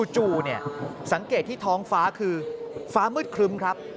จู่สังเกตที่ท้องฟ้าคือฟ้ามืดครึ้มครับ